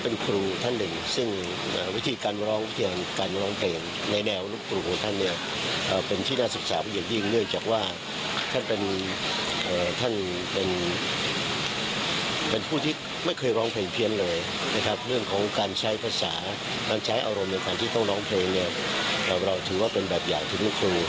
ในการที่ต้องร้องเพลงเนี่ยเราถือว่าเป็นแบบอย่างที่มันคลุม